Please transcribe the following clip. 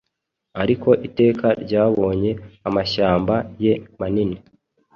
Ariko Iteka ryabonye amashyamba ye manini